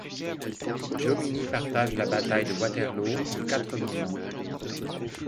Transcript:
Jomini partage la bataille de Waterloo en quatre moments.